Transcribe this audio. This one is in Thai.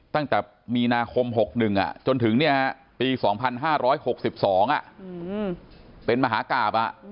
ตั้งแต่มีนาคม๖๑จนถึงปี๒๕๖๒เป็นมหากราบ